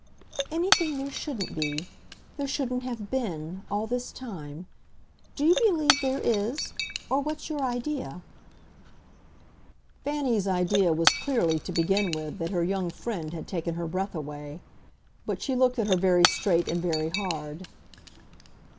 "Anything there shouldn't be, there shouldn't have BEEN all this time. Do you believe there is or what's your idea?" Fanny's idea was clearly, to begin with, that her young friend had taken her breath away; but she looked at her very straight and very hard.